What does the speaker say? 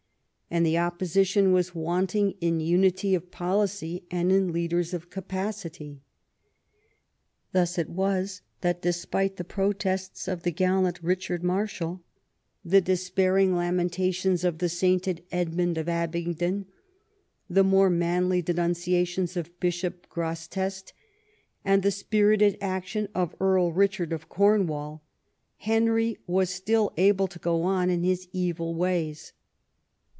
And the opposition was wanting in unity of policy and in leaders of capacity. Thus it was that, despite the protests of the gallant Kichard ]\Iarshal, the despairing lamentations of the sainted Edmund of Abingdon, the more manly de nunciations of Bishop Grosseteste, and the spirited action of Earl Kichard of Cornwall, Henry was still able to go on in his evil ways.